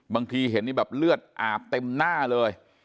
บางทีเห็นนี่แบบเลือดอาบเต็มหน้าเลย